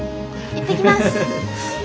行ってきます。